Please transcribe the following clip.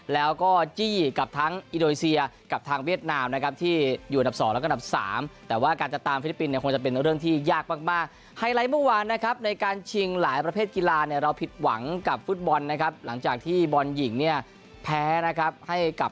แล้วก็จี่กับทั้งอินโดยเซียจีกับทางเวียตนามนะครับ